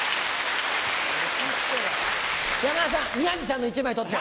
山田さん宮治さんの１枚取って。